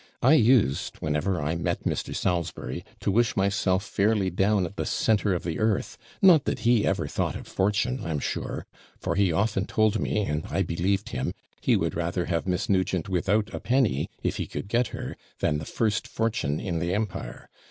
I used, whenever I met Mr. Salisbury, to wish myself fairly down at the centre of the earth; not that he ever thought of fortune, I'm sure; for he often told me, and I believed him, he would rather have Miss Nugent without a penny, if he could get her, than the first fortune in the empire.